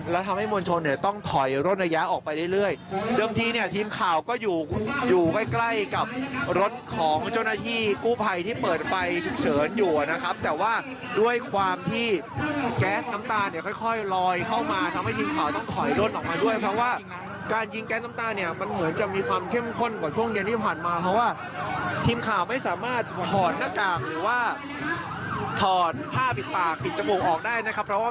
รถของเจ้าหน้าที่กู้ภัยที่เปิดไปเฉินอยู่นะครับแต่ว่าด้วยความที่แก๊สน้ำตาเนี่ยค่อยลอยเข้ามาทำให้ทีมข่าวต้องถอยรถออกมาด้วยเพราะว่าการยิงแก๊สน้ำตาเนี่ยมันเหมือนจะมีความเข้มข้นกว่าช่วงเย็นที่ผ่านมาเพราะว่าทีมข่าวไม่สามารถถอดหน้ากากหรือว่าถอดผ้าปิดปากปิดจมูกออกได้นะครับเพราะ